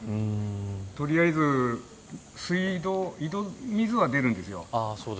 とりあえず今井戸水は出るんですよ。